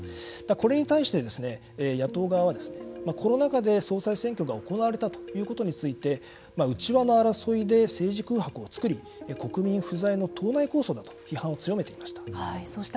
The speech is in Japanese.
これに対して野党側はコロナ禍で総裁選挙が行われたということについて内輪の争いで政治空白を作り国民不在の党内抗争だと批判を強めていました。